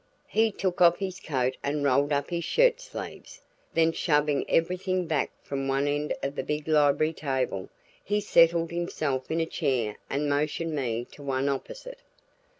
He took off his coat and rolled up his shirt sleeves; then shoving everything back from one end of the big library table, he settled himself in a chair and motioned me to one opposite.